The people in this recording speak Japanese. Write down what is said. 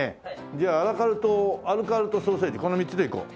じゃあアラカルトソーセージこの３つでいこう。